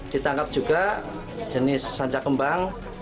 ditangkap juga jenis sanca kembang